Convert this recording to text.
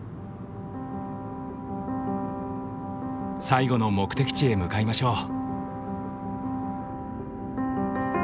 最後の目的地へ向かいましょう。